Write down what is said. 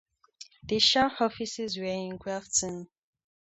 The shire offices were in Grafton.